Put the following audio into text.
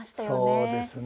そうですね。